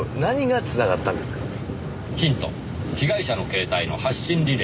ヒント被害者の携帯の発信履歴。